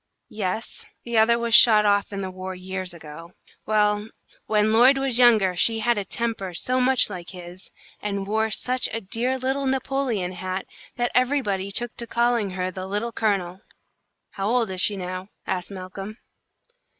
"Yes, the other was shot off in the war years ago. Well, when Lloyd was younger, she had a temper so much like his, and wore such a dear little Napoleon hat, that everybody took to calling her the Little Colonel." "How old is she now?" asked Malcolm.